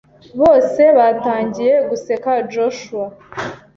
Bose batangiye guseka Joshua.